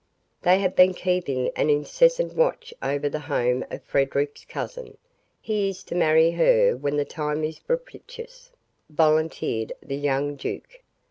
"They have been keeping an incessant watch over the home of Frederic's cousin. He is to marry her when the time is propitious," volunteered the young duke.